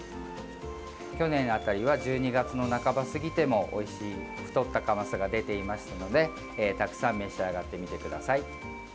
去年辺りは１２月の半ば過ぎてもおいしい太ったカマスが出ていましたのでたくさん召し上がってみてください。